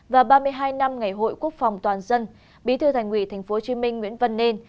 và ba mươi hai năm ngày hội quốc phòng toàn dân bí thư thành ủy tp hcm nguyễn văn nên